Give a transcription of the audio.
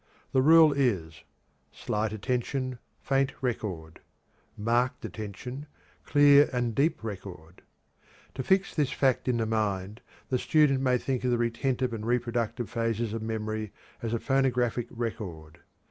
The rule is: Slight attention, faint record; marked attention, clear and deep record. To fix this fact in the mind, the student may think of the retentive and reproductive phases of memory as a phonographic record.